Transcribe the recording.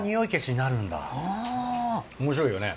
面白いよね。